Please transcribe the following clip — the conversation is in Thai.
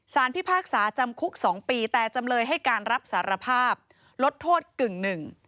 สารพิพากษาจำคุก๒ปีแต่จำเลยให้การรับสารภาพลดโทษกึ่ง๑